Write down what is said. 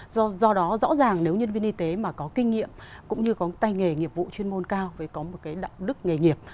do đó rõ ràng nếu nhân viên y tế mà có kinh nghiệm cũng như có tay nghề nghiệp vụ chuyên môn cao mới có một cái đạo đức nghề nghiệp